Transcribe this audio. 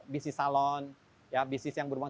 bisnis salon ya bisnis yang berhubungan